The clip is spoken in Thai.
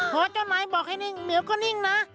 เพราะเจ้าไหนบอกให้นิ่งเหมียวก็นิ่งนะ